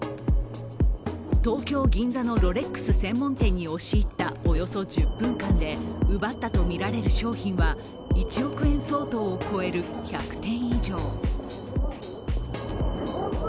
東京・銀座のロレックス専門店に押し入ったおよそ１０分間で奪ったとみられる商品は１億円相当を超える１００点以上。